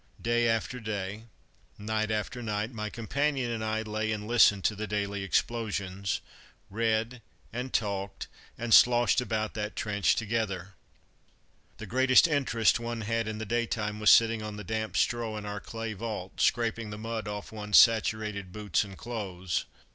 Day after day, night after night, my companion and I lay and listened to the daily explosions, read, and talked, and sloshed about that trench together. The greatest interest one had in the daytime was sitting on the damp straw in our clay vault, scraping the mud off one's saturated boots and clothes.